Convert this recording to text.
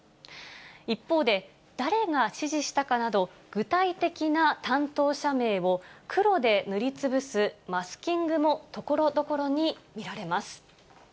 一方で、誰が指示したかなど、具体的な担当者名を黒で塗りつぶすマスキングもところどころに見られます。